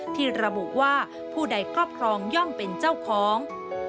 ที่ระบุว่าผู้ใดครอบครองย่อมเป็นเจ้าของ